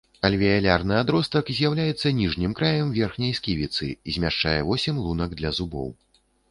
Альвеалярны адростак з'яўляецца ніжнім краем верхняй сківіцы, змяшчае восем лунак для зубоў.